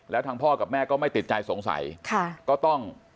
แล้วทางพ่อกับแม่ก็ไม่ติดใจสงสัยก็ต้อง